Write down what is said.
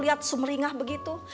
lihat sumeringah begitu